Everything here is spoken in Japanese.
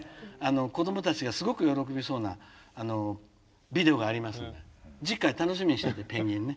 子どもたちがすごく喜びそうなビデオがありますんで次回楽しみにしててペンギンね。